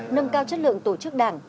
nâng cao chất lượng tổ chức đảng